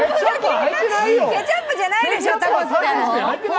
ケチャップじゃないでしょう！